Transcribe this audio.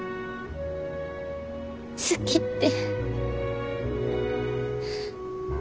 好きって。